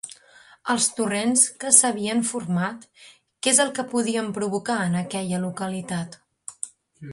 Els torrents que s'havien format, què és el que podien provocar en aquesta localitat?